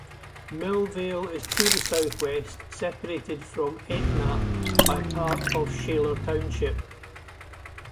Millvale is to the southwest, separated from Etna by part of Shaler Township.